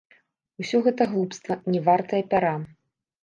Усё гэта глупства, не вартае пяра.